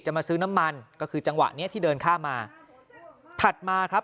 มาซื้อน้ำมันก็คือจังหวะเนี้ยที่เดินข้ามมาถัดมาครับ